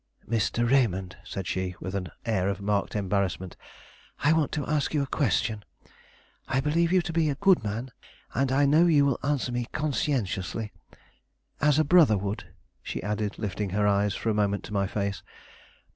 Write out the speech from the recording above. "Mr. Raymond," said she, with an air of marked embarrassment, "I want to ask you a question. I believe you to be a good man, and I know you will answer me conscientiously. As a brother would," she added, lifting her eyes for a moment to my face.